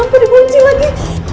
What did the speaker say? lampu dibunci lagi